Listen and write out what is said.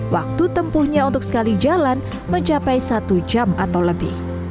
waktu tempuhnya untuk sekali jalan mencapai satu jam atau lebih